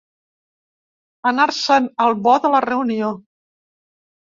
Anar-se'n al bo de la reunió.